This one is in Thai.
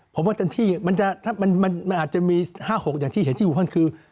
ผมว่าอาจารย์มันอาจจะมี๕๖อย่างที่เห็นที่บุคคลคือ